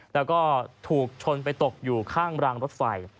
แล้วก็ถูกชนไปตกอยู่ข้างรางรถไฟ